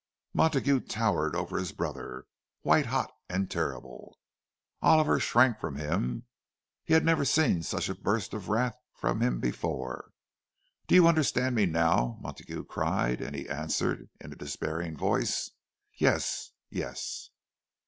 Montague towered over his brother, white hot and terrible. Oliver shrank from him—he never had seen such a burst of wrath from him before. "Do you understand me now?" Montague cried; and he answered, in a despairing voice, "Yes, yes."